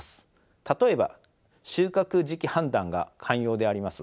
例えば収穫時期判断が肝要であります